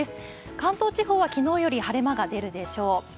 関東地方は昨日より晴れ間が出るでしょう。